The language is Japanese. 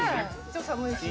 ちょっと寒いし。